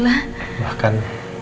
elsa sudah melahirkan